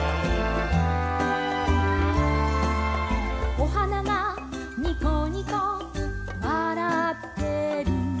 「お花がニコニコわらってる」